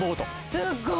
すっごい！